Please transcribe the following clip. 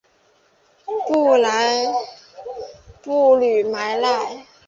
布吕莱迈。